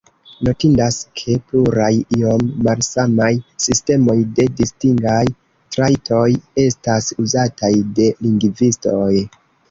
Notindas, ke pluraj iom malsamaj sistemoj de distingaj trajtoj estas uzataj de lingvistoj.